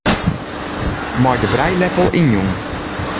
Mei de brijleppel ynjûn.